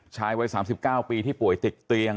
ชายวัย๓๙ปีที่ป่วยติดเตียง